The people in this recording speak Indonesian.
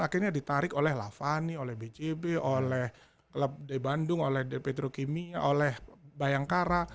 akhirnya ditarik oleh lavani oleh bcb oleh klub di bandung oleh petrokimia oleh bayangkara